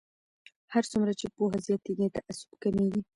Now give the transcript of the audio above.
هر څومره چې پوهه زیاتیږي تعصب کمیږي.